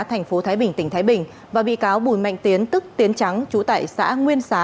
tp thái bình tỉnh thái bình và bị cáo bùi mạnh tiến tức tiến trắng chú tại xã nguyên xá